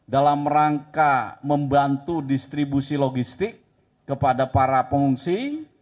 dalam rangka membantu distribusi logistik kepada para pengungsi